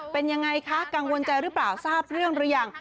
เป็นยังไงคะกังวลใจหรือเปล่าทราบเรื่องหรือยัง